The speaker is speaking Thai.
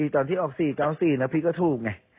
ตอนที่ออกสี่ก็ออกสี่แล้วพี่ก็ถูกไง